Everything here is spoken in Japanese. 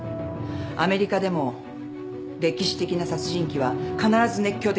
アメリカでも歴史的な殺人鬼は必ず熱狂的なファンが付く。